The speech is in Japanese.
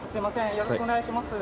よろしくお願いします。